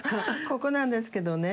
ここなんですけどね。